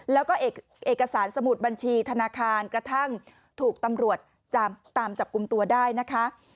แล้วก็เอกสารสมุดบัญชีธนาคารกระทั่งถูกตำรวจตามจับกลุ่มตัวได้นะคะ